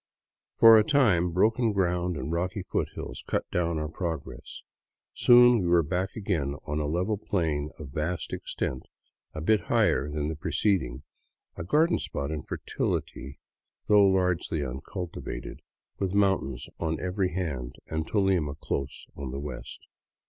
For a time broken ground and rocky foothills cut down our progress. Soon we were back again on a level plain of vast extent, a bit higher than the pre ceding, a garden spot in fertility, though largely uncultivated, with mountains on every hand and Tolima close on the west.